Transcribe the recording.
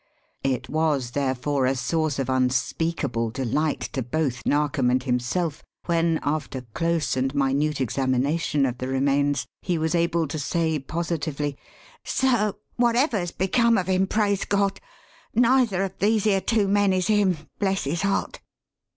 It was, therefore, a source of unspeakable delight to both Narkom and himself, when, after close and minute examination of the remains, he was able to say, positively, "Sir, whatever's become of him, praise God, neither of these here two dead men is him, bless his heart!"